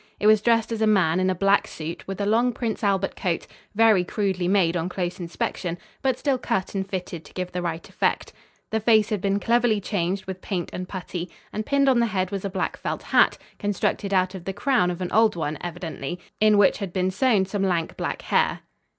It was dressed as a man in a black suit with a long Prince Albert coat, very crudely made on close inspection, but still cut and fitted to give the right effect. The face had been cleverly changed with paint and putty, and pinned on the head was a black felt hat, constructed out of the crown of an old one evidently, in which had been sewn some lank black hair.